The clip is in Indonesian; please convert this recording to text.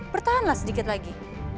bertahanlah sedikit lagi